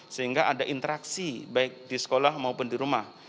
sehingga ada interaksi baik di sekolah maupun di rumah